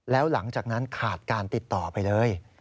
แล้วหลังจากนั้นขาดการติดต่อไปเลย